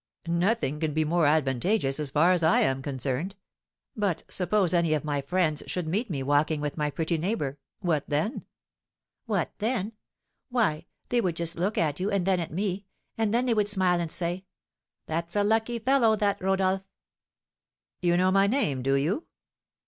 "Nothing can be more advantageous, as far as I am concerned; but suppose any of my friends should meet me walking with my pretty neighbour, what then?" "What then! Why, they would just look at you, and then at me; and then they would smile and say, 'That's a lucky fellow, that Rodolph!'" "You know my name, do you?"